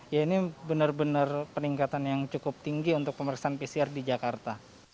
ya ini benar benar peningkatan yang cukup tinggi untuk pemeriksaan pcr di jakarta